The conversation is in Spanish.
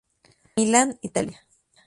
Milán, Italia.